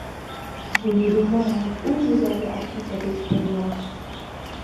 Je me demande où vous avez acquis cette expérience.